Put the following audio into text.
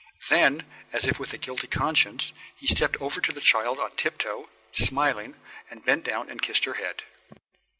Then, as if with a guilty conscience, he stepped over to the child on tip toe, smiling, and bent down and kissed her head.